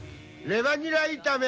レバニラ炒め。